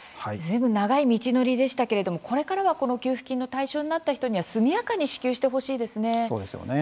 ずいぶん長い道のりでしたけれどもこれからはこの給付金の対象になった人には速やかに支給してほしいですね。